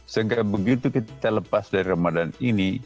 sehingga begitu kita lepas dari ramadan ini